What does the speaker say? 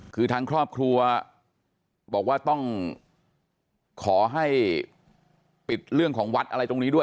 คือทางครอบครัวบอกว่าต้องขอให้ปิดเรื่องของวัดอะไรตรงนี้ด้วย